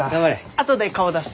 あとで顔出す！